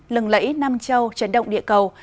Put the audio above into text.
lừng lẫy nam châu trấn động địa cầu